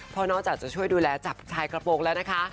เพราะนอกจากจะช่วยดูแลจับชายกระโปรงแล้วนะคะ